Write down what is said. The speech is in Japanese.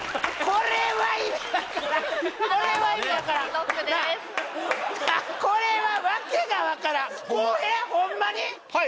これは訳がわからんはい